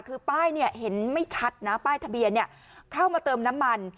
คือป้ายเห็นไม่ชัดนะป้ายทะเบียนเข้ามาเติมน้ำมัน